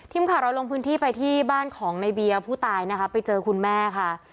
ทีมข่าวเราลงพื้นที่ไปที่บ้านของในเบียร์ผู้ตายนะคะไปเจอคุณแม่ค่ะ